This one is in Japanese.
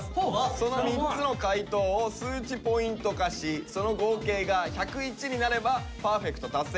その３つの回答を数値ポイント化しその合計が１０１になればパーフェクト達成。